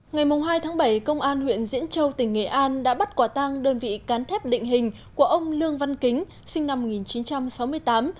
ngày hai tháng bảy công an huyện diễn châu tỉnh nghệ an đã bắt quả tang đơn vị cán thép định hình của ông lương văn kính sinh năm một nghìn chín trăm sáu mươi tám